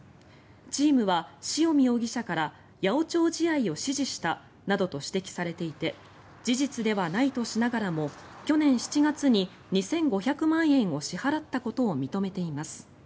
チームは塩見容疑者から八百長試合を指示したなどと指摘されていて事実ではないとしながらも去年７月に２５００万円を支払ったことを認めています。